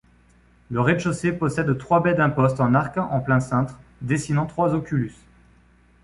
Le rez-de-chaussée possède trois baies d'imposte en arc en plein cintre dessinant trois oculus.